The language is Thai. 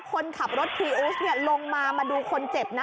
คนขับรถพรีอูสลงมามาดูคนเจ็บนะ